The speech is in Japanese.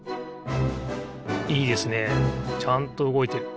いいですねちゃんとうごいてる。